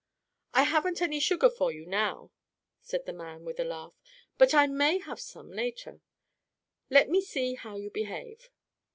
"I haven't any sugar for you now," said the man with a laugh, "but I may have some later. Let me see how you behave."